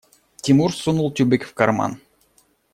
Тимур сунул тюбик в карман.